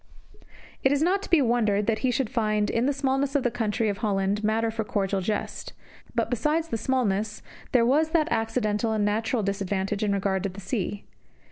It is not to be wondered at that he should find in the smallness of the country of Holland matter for a cordial jest. But, besides the smallness, there was that accidental and natural disadvantage in regard to the sea.